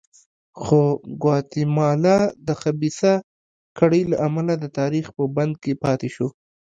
خو ګواتیمالا د خبیثه کړۍ له امله د تاریخ په بند کې پاتې شوه.